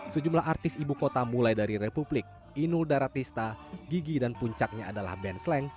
sejumlah artis ibu kota mulai dari republik inul daratista gigi dan puncaknya adalah ben sleng